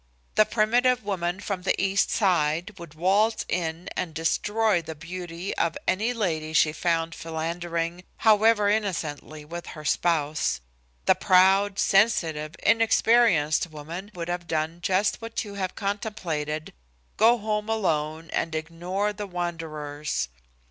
The primitive woman from the East Side would waltz in and destroy the beauty of any lady she found philandering, however innocently, with her spouse. The proud, sensitive, inexperienced woman would have done just what you have contemplated, go home alone and ignore the wanderers.